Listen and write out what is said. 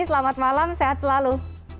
selamat malam sehat selalu